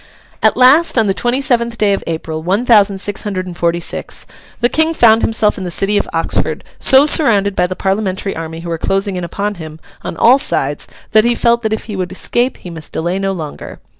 At last, on the twenty seventh day of April, one thousand six hundred and forty six, the King found himself in the city of Oxford, so surrounded by the Parliamentary army who were closing in upon him on all sides that he felt that if he would escape he must delay no longer.